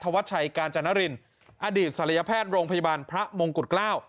วัดชัยกาญจนรินอดีตศัลยแพทย์โรงพยาบาลพระมงกุฎเกล้า